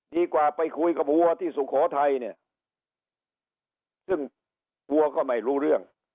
ดีกว่าไปคุยกับวัวที่สุโขทัยเนี่ยซึ่งผัวก็ไม่รู้เรื่อง